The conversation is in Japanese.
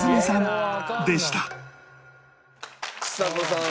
ちさ子さん